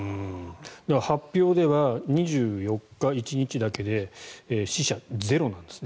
発表では２４日の１日だけで死者ゼロなんですね。